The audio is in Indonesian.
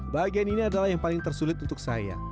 bagian ini adalah yang paling tersulit untuk saya